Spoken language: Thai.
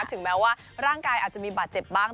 ถึงแม้ว่าร่างกายอาจจะมีบาดเจ็บบ้าง